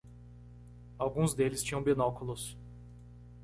Alguns deles tinham binóculos.